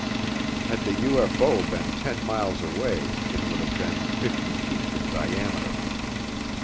Had the UFO been 10 miles away it would have been 50 feet in diameter.